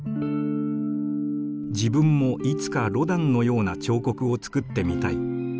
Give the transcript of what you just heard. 「自分もいつかロダンのような彫刻を作ってみたい」。